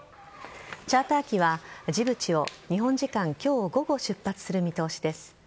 チャーター機はジブチを日本時間今日午後出発する見通しです。